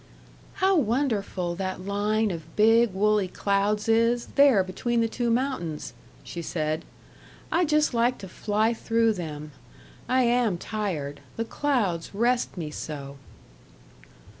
"How wonderful that line of big woolly clouds is, there between the two mountains!" she said. "I'd just like to fly through them.... I am tired. The clouds rest me so."